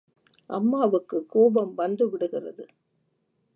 அம்மாவுக்குக் கோபம் வந்துவிடுகிறது.